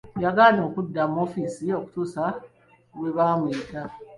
Yagaana okudda mu woofisi okutuusa lwe bamuyita.